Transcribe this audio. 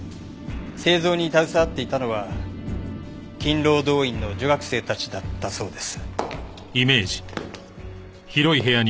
製造に携わっていたのは勤労動員の女学生たちだったそうです。